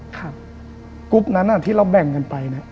กรุ๊ปนั้นที่เราแบ่งกันไปเนี่ย